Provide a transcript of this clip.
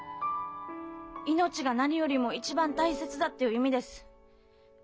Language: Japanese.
「命が何よりも一番大切だ」という意味です。